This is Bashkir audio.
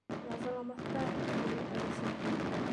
—Язаламаҫтар, —тине Әлисә.